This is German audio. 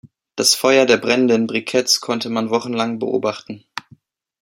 Das Feuer der brennenden Briketts konnte man wochenlang beobachten.